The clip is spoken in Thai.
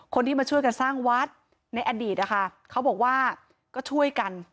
คนที่มาช่วยกันสร้างวัดในอดีตนะคะเขาบอกว่าก็ช่วยกัน